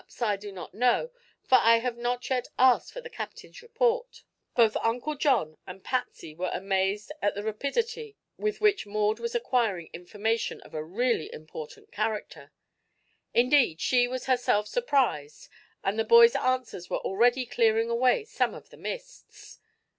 I do not know, for I have not yet asked for the captain's report." Both Uncle John and Patsy were amazed at the rapidity with which Maud was acquiring information of a really important character. Indeed, she was herself surprised and the boy's answers were already clearing away some of the mists.